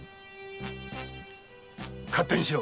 勝手にしろ！